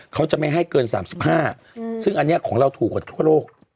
เขาจะไม่ให้เกิน๓๕ซึ่งอันนี้ของเราถูกกว่าทั่วโลก